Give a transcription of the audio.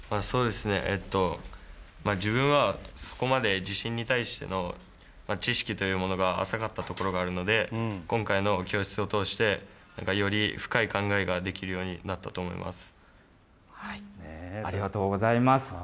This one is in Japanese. そうですね、自分はそこまで地震に対しての知識というものが浅かったところがあるので、今回の教室を通して、より深い考えがありがとうございます。